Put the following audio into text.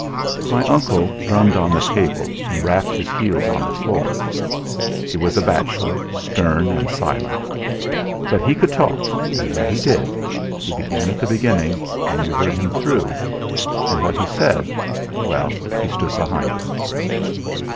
My uncle drummed on the table and rapped his heels on the floor. He was a bachelor, stem and silent. But he could talk...and when he did, he began at the beginning and you heard him through; and what he said well, he stood behind it.